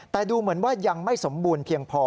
แต่ดูเหมือนว่ายังไม่สมบูรณ์เพียงพอ